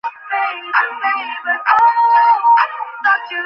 তাহার মন তুমি ফিরিয়া পাইবে।